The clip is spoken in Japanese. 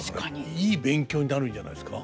いい勉強になるんじゃないですか。